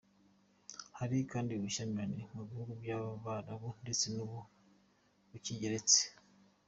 Hari kandi ubushyamirane mu bihugu by’Abarabu ndetse n’ubu rukigeretse.